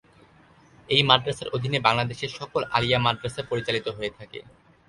এই মাদ্রাসার অধীনে বাংলাদেশের সকল আলিয়া মাদ্রাসা পরিচালিত হয়ে থাকে।